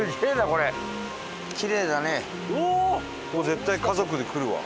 ここ絶対家族で来るわ。